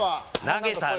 投げたね！